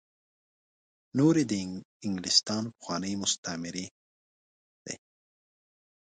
نور یې د انګلستان پخواني مستعميري دي.